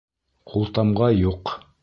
Ҡултамға юҡ!